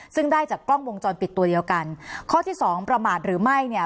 ซึ่งได้จากกล้องวงจรปิดตัวเดียวกันข้อที่สองประมาทหรือไม่เนี่ย